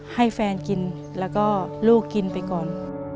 ให้แฟนกินแล้วก็ลูกกินไปก่อน